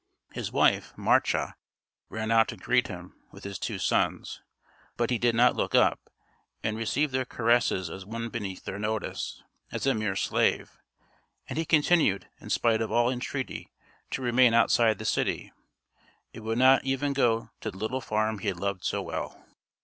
His wife Marcia ran out to greet him, with his two sons, but he did not look up, and received their caresses as one beneath their notice, as a mere slave, and he continued, in spite of all entreaty, to remain outside the city, and would not even go to the little farm he had loved so well.